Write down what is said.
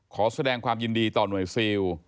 ขอแสดงความยินดีต่อหน่วยซิล